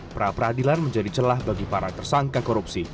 pra peradilan menjadi celah bagi para tersangka korupsi